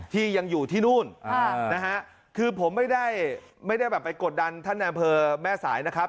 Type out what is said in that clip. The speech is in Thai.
ที่ยังอยู่ที่นู่นคือผมไม่ได้ไปกดดันท่านแอนเภอแม่สายนะครับ